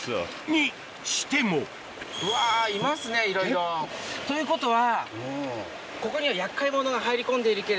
にしてもうわいますねいろいろということは。